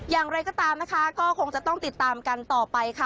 อย่างไรก็ตามก็ต้องติดตามต่อไป